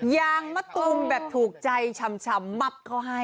ยางมะตูมแบบถูกใจชำมับเขาให้